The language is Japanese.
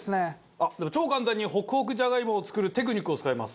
あっでも超簡単にホクホクじゃがいもを作るテクニックを使います。